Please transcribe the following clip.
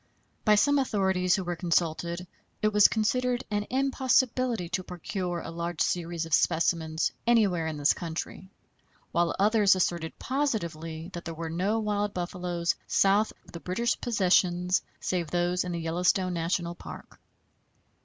By some authorities who were consulted it was considered an impossibility to procure a large series of specimens anywhere in this country, while others asserted positively that there were no wild buffaloes south of the British possessions save those in the Yellowstone National Park.